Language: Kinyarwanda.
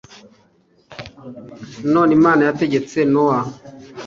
nanone imana yategetse nowa